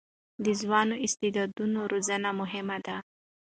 د ځوانو استعدادونو روزنه مهمه ده.